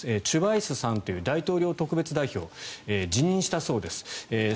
チュバイスさんという大統領特別代表が辞任したそうです。